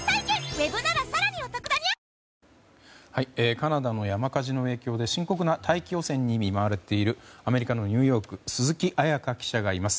カナダの山火事の影響で深刻な大気汚染に見舞われているアメリカのニューヨーク鈴木彩加記者がいます。